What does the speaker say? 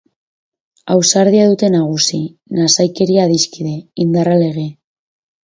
Ausardia dute nagusi, nasaikeria adiskide, indarra lege.